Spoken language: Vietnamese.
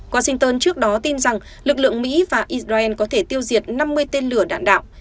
washington trước đó tin rằng lực lượng mỹ và israel có thể tiêu diệt năm mươi tên lửa đạn đạo